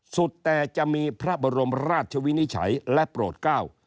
สุดแต่จะมีพระบรมราชวินิจฉัยและโปรดก้าว